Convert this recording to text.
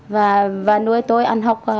và nuôi tôi ăn học